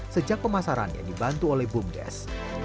sejak pemasaran yang dibantu oleh bumdes